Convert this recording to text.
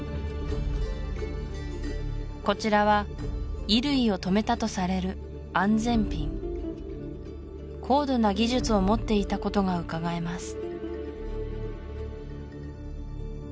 こちらは衣類をとめたとされる安全ピン高度な技術を持っていたことがうかがえます